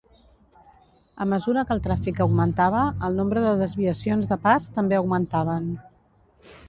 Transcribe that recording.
A mesura que el tràfic augmentava, el nombre de desviacions de pas també augmentaven.